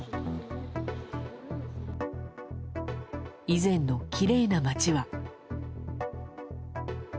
以前のきれいな街は。